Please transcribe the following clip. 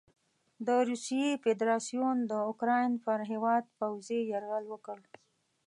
د روسیې فدراسیون د اوکراین پر هیواد پوځي یرغل وکړ.